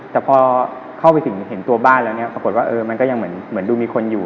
แต่พอเข้าไปถึงเห็นตัวบ้านแล้วเนี่ยปรากฏว่ามันก็ยังเหมือนดูมีคนอยู่